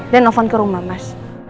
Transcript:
dia nelfon ke rumah mas